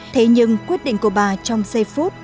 thế nhưng quyết định của bà trong giây phút